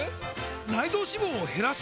内臓脂肪を減らす！？